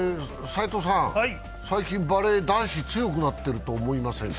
最近、バレー男子強くなっていると思いませんか？